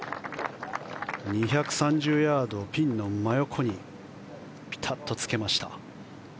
２３０ヤードをピンの真横にピタッとつけました。